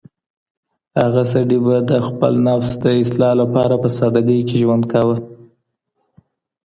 هغه سړي به د خپل نفس د اصلاح لپاره په سادګۍ کي ژوند کاوه.